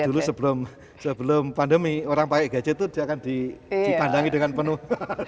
dulu sebelum pandemi orang pakai gadget itu dia akan dipandangi dengan penuh